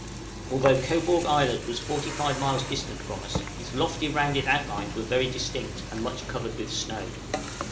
Although Cobourg Island was 45 miles distant from us, its lofty rounded outlines were very distinct, and much covered with snow.